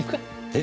え？